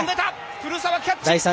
古澤キャッチ。